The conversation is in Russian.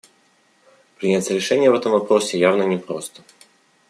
Принять решение в этом вопросе явно непросто.